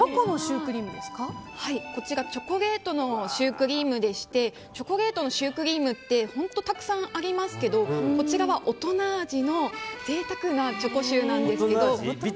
チョコレートのシュークリームでしてチョコレートのシュークリームは本当たくさんありますけどこちらは大人味のぜいたくなチョコシューなんですけど。